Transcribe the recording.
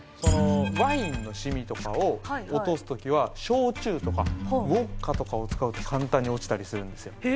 そのワインの染みとかを落とすときは焼酎とかウオッカとかを使うと簡単に落ちたりするんですよ。